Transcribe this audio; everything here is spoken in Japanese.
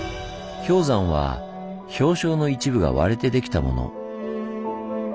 氷山は氷床の一部が割れてできたもの。